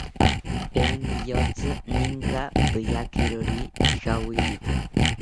Tee niyotzi ninka peyakirori ijawirite